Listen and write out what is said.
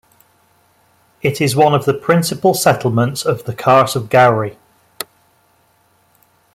It is one of the principal settlements of the Carse of Gowrie.